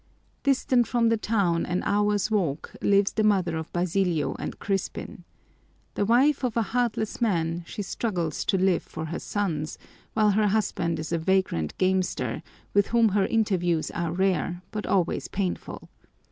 Distant from the town an hour's walk lives the mother of Basilio and Crispin. The wife of a heartless man, she struggles to live for her sons, while her husband is a vagrant gamester with whom her interviews are rare but always painful.